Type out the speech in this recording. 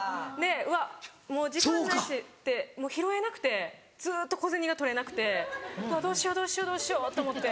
うわもう時間ないし拾えなくてずっと小銭が取れなくてどうしようどうしようどうしようと思って。